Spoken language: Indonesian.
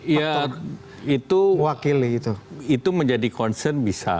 ya itu menjadi concern bisa